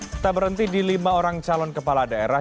kita berhenti di lima orang calon kepala daerah